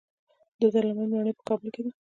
د دارالامان ماڼۍ په کابل کې ده